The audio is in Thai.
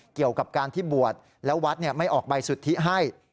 เกี่ยวกับการที่บวชแล้ววัดไม่ออกใบสุทธิให้